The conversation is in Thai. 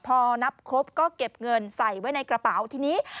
พอนับครบก็เก็บเงินใส่ไว้ในกระเป๋าทีนี้